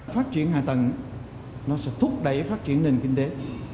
phát triển hạ tầng nó sẽ thúc đẩy phát triển nền kinh tế